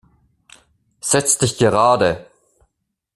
Setzt dich gerade!